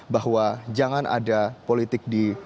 bahwa jangan ada politik di